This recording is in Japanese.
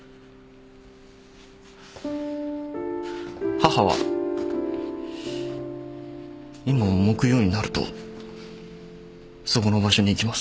母は今も木曜になるとそこの場所に行きます。